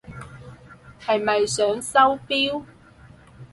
係咪想收錶？